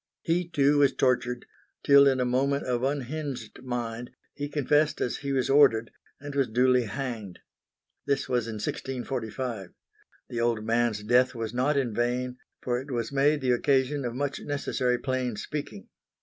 He too was tortured, till in a moment of unhinged mind, he confessed as he was ordered, and was duly hanged. This was in 1645. The old man's death was not in vain, for it was made the occasion of much necessary plain speaking.